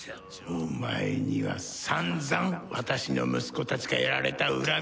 お前には散々私の息子たちがやられた恨みがある。